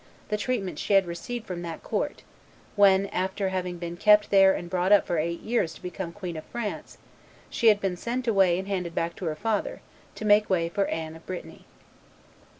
the treatment she had received from that court, when, after having been kept there and brought up for eight years to become Queen of France, she had been sent away and handed back to her father, to make way for Anne of Brittany.